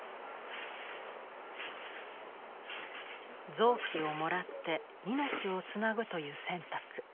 臓器をもらって命をつなぐという選択。